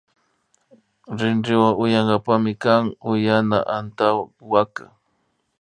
Rinrinwa uyankapak mikan uyana antawaka